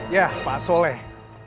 ya pak soleh